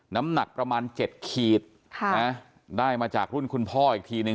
น้ำหนักประมาณ๗ขีดได้มาจากรุ่นคุณพ่ออีกทีนึง